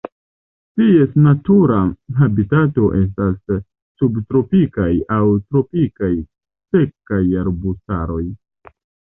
Ties natura habitato estas subtropikaj aŭ tropikaj sekaj arbustaroj.